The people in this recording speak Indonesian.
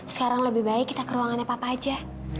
sekarang lebih baik kita ke ruangannya papa aja